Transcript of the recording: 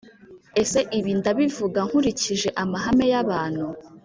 Ese ibi ndabivuga nkurikije amahame y abantu